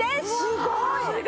すごい！